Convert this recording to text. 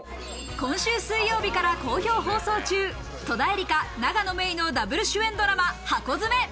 今週水曜日から好評放送中、戸田恵梨香、永野芽郁のダブル主演ドラマ『ハコヅメ』。